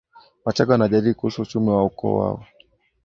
wachaga wanajadili kuhusu uchumi wa ukoo wao